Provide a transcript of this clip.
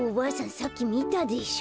さっきみたでしょ。